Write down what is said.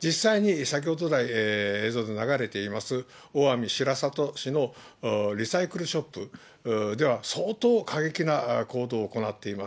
実際に先ほどらい、映像で流れています、大網白里市のリサイクルショップでは、相当、過激な行動を行っています。